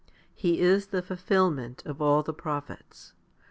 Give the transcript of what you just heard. He is the fulfilment of all the prophets.